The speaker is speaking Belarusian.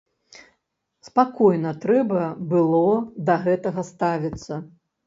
Спакойна трэба было да гэтага ставіцца.